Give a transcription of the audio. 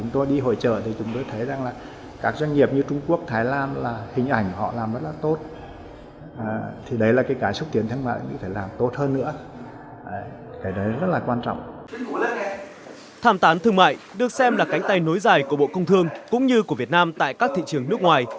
tham tán thương mại được xem là cánh tay nối dài của bộ công thương cũng như của việt nam tại các thị trường nước ngoài